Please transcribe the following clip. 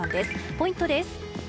ポイントです。